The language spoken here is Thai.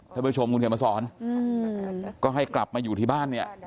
ท่านผู้ชมคุณเขียนมาสอนก็ให้กลับมาอยู่ที่บ้านเนี่ย